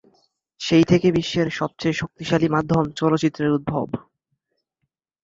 সেই থেকে বিশ্বের সবচেয়ে শক্তিশালী মাধ্যম চলচ্চিত্রের উদ্ভব।